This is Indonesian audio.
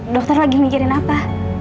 dokter lagi mikirin apa